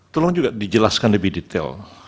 tolong juga dijelaskan lebih detail